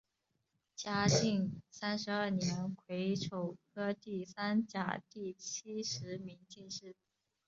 嘉靖三十二年癸丑科第二甲第七十名进士。